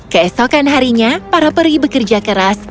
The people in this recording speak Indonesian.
keesokan harinya para peri bekerja keras